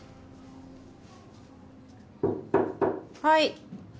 はい。